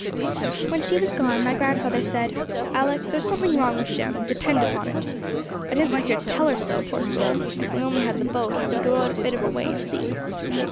When she was gone, my grandfather said 'Alick, there's something wrong with Jem, depend upon it! I didn't like to tell her so, poor soul! If we only had the boat, I would go out a bit of way and see.'